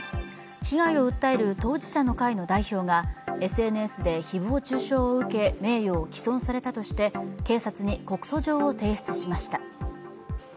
被害を訴える当事者の会の代表がＳＮＳで誹謗中傷を受け名誉を毀損されたとして警察に告訴状を提出しました。